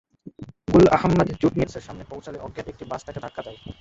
গুল আহম্মদ জুট মিলসের সামনে পৌঁছালে অজ্ঞাত একটি বাস তাঁকে ধাক্কা দেয়।